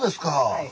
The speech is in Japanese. はい。